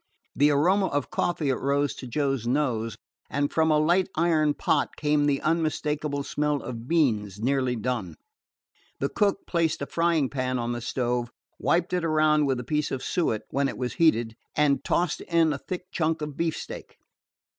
The aroma of coffee arose to Joe's nose, and from a light iron pot came the unmistakable smell of beans nearly done. The cook placed a frying pan on the stove, wiped it around with a piece of suet when it had heated, and tossed in a thick chunk of beefsteak.